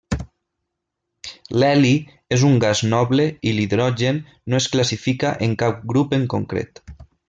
L'heli és un gas noble i l'hidrogen no es classifica en cap grup en concret.